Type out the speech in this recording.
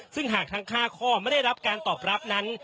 ซึ่งหากทั้ง๕ข้อไม่ได้รับการตอบรับนั้น